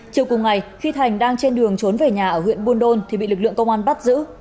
chiều cùng ngày khi thành đang trên đường trốn về nhà ở huyện buôn đôn thì bị lực lượng công an bắt giữ